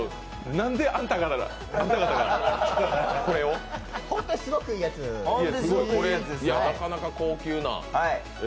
なかなか高級な。